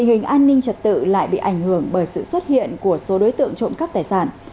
tình hình an ninh trật tự lại bị ảnh hưởng bởi sự xuất hiện của số đối tượng trộm cắp tài sản